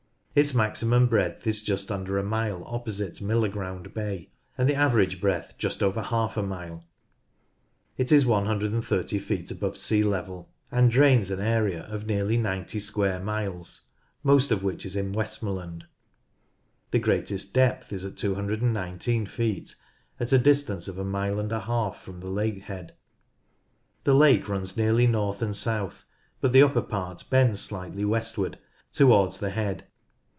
Its maximum breadth is just under a mile opposite Millerground Bay, and the average breadth just over half a mile. It is 130 feet above sea level, 1 &l u 0) X) o o U, v x; 58 NORTH LANCASHIRE and drains an area of nearly 90 square miles, most of which is in Westmorland. The greatest depth is 219 feet, at a distance of a mile and a half from the lake head. The lake runs nearly north and south, but the upper part bends slightly westward towards the head.